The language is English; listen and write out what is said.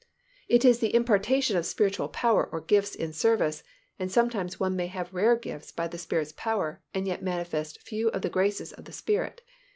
It is the impartation of spiritual power or gifts in service and sometimes one may have rare gifts by the Spirit's power and yet manifest few of the graces of the Spirit.